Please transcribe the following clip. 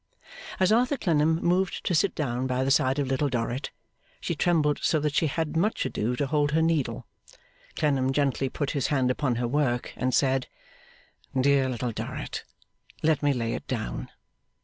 As Arthur Clennam moved to sit down by the side of Little Dorrit, she trembled so that she had much ado to hold her needle. Clennam gently put his hand upon her work, and said, 'Dear Little Dorrit, let me lay it down.